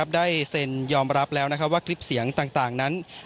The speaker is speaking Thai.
ได้เซ็นยอมรับแล้วว่าคลิปเสียงต่างนั้น